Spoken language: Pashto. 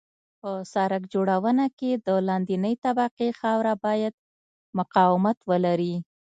په سرک جوړونه کې د لاندنۍ طبقې خاوره باید مقاومت ولري